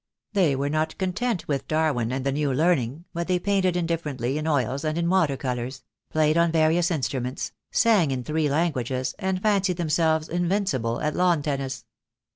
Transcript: They were not content with Darwin and the new learning, but they painted indifferently in oils and in water colours, played on various instruments, sang in three languages, and fancied themselves invincible at lawn tennis.